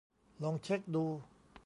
ลองเช็คดู